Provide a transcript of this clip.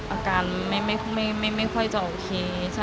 อาการไม่ค่อยจะโอเค